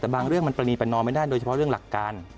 แต่บางเรื่องมันปรณีประนอมไม่ได้โดยเฉพาะเรื่องหลักการ